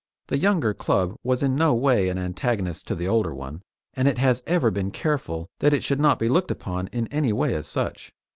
The younger club was in no way an antagonist of the older one, and it has ever been careful that it should not be looked upon in any way as such.